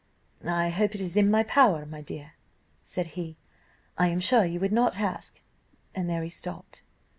"'I hope it is in my power, my dear,' said he; 'I am sure you would not ask ' and there he stopped.